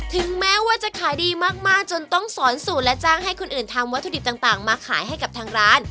ถึงแม้ว่าจะขายดีมากจนต้องสอนสูตรและจ้างให้คนอื่นทำวัตถุดิบต่างมาขายให้กับทางร้าน